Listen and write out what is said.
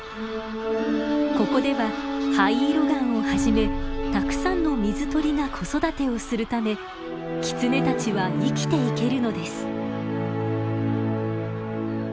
ここではハイイロガンをはじめたくさんの水鳥が子育てをするためキツネたちは生きていけるのです。